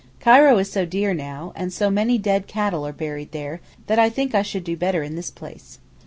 Cairo is so dear now, and so many dead cattle are buried there, that I think I should do better in this place.